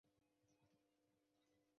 卡舍尔教省就是以该镇命名。